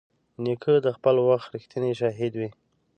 نیکه د خپل وخت رښتینی شاهد وي.